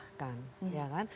memudahkan ya kan